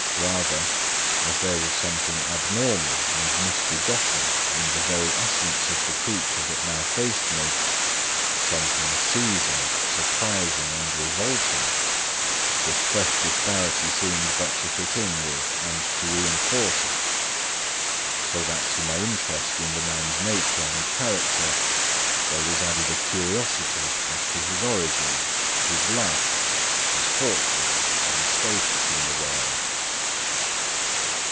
Rather, as there was something abnormal and misbegotten in the very essence of the creature that now faced me—something seizing, surprising and revolting—this fresh disparity seemed but to fit in with and to reinforce it; so that to my interest in the man's nature and character, there was added a curiosity as to his origin, his life, his fortune and status in the world.